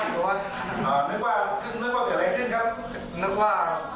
พึ่งมาเมื่อกี้เลยนะ